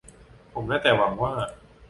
ผมได้แต่หวังว่า